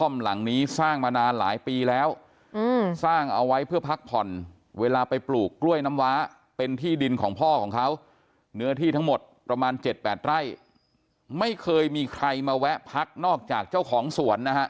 ไม่เคยมีใครมาแวะพักนอกจากเจ้าของสวนนะฮะ